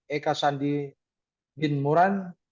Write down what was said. eka sandi bin muran